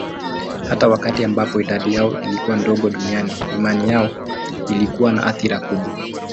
Hata wakati ambapo idadi yao ilikuwa ndogo duniani, imani yao ilikuwa na athira kubwa.